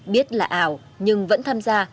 biết là ảo nhưng vẫn tham gia